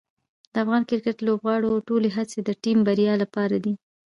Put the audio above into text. د افغان کرکټ لوبغاړو ټولې هڅې د ټیم بریا لپاره دي.